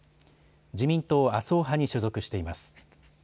自民党麻生派に所属しています。